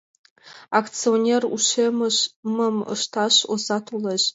Акционер ушемым ышташ оза толеш.